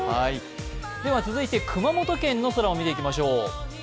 続いて熊本県の空を見ていきましょう。